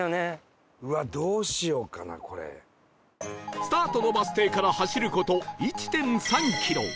スタートのバス停から走る事 １．３ キロ